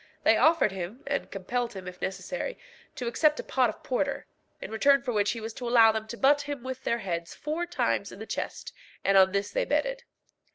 They offered him, and compelled him, if necessary, to accept a pot of porter, in return for which he was to allow them to butt him with their heads four times in the chest, and on this they betted.